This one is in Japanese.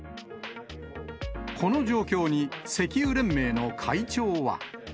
この状況に石油連盟の会長は。